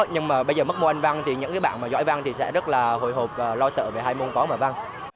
nhưng mà bây giờ mất môn anh văn thì những bạn mà giỏi văn thì sẽ rất là hồi hộp và lo sợ về hai môn toán và văn